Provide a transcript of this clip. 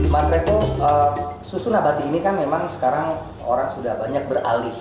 mas revo susun nabati ini kan memang sekarang orang sudah banyak beralih